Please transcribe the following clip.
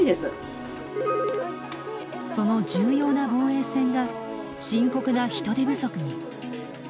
その重要な防衛線が深刻な人手不足に。